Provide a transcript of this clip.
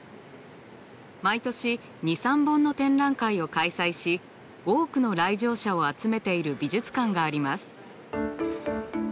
毎年２３本の展覧会を開催し多くの来場者を集めている美術館があります。